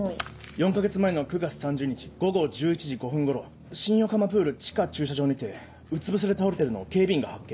４か月前の９月３０日午後１１時５分頃新横浜プール地下駐車場にてうつ伏せで倒れているのを警備員が発見。